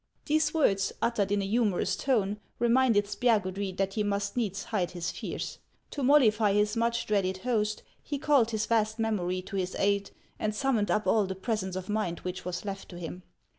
These words, uttered in a humorous tone, reminded Spiagudry that he must needs hide his fears. To mollify his much dreaded host, he called his vast memory to his aid, and summoned up all the presence of mind which was left to him.